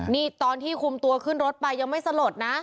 นี่ตอนที่คุมตัวขึ้นรถไปยังไม่สลดนะ